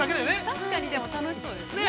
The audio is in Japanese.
◆確かにでも、楽しそうですね。